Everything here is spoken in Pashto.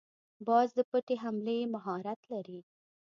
باز د پټې حملې مهارت لري